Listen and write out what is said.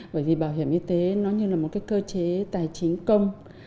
bởi vì bảo hiểm y tế nó như là một cái cơ chế tài chính công